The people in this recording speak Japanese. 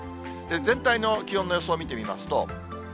全体の気温の予想を見てみますと。